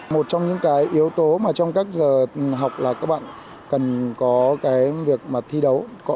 một trong những cái yếu tố mà trong các giờ học là các bạn cần có cái việc mà thi đấu